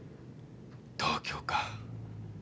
東京か。